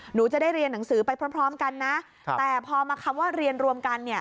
หนูจะได้เรียนหนังสือไปพร้อมกันนะแต่พอมาคำว่าเรียนรวมกันเนี่ย